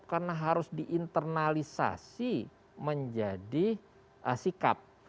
karena harus diinternalisasi menjadi sikap